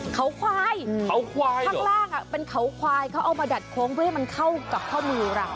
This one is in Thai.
เขาควายเขาควายข้างล่างเป็นเขาควายเขาเอามาดัดโค้งเพื่อให้มันเข้ากับข้อมือเรา